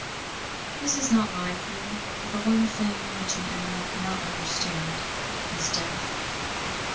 That is not likely; for the one thing which an animal cannot understand is death.